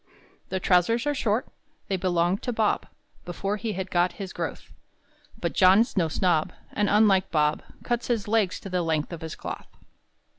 The trousers are short; They belonged to Bob Before he had got his growth; But John's no snob, And, unlike Bob, Cuts his legs to the length of his cloth.